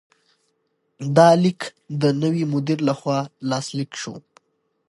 دا لیک د نوي مدیر لخوا لاسلیک شو.